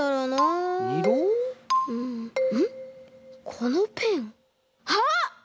このペンあっ！